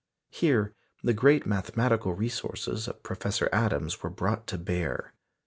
Here the great mathematical resources of Professor Adams were brought to bear.